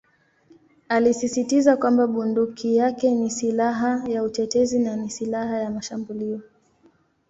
Alisisitiza kwamba bunduki yake ni "silaha ya utetezi" na "si silaha ya mashambulio".